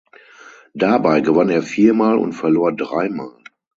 Dabei gewann er viermal und verlor dreimal.